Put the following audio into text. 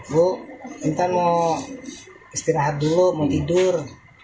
bu kita mau istirahat dulu mau tidur